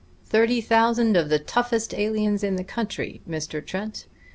Thirty thousand of the toughest aliens in the country, Mr. Trent.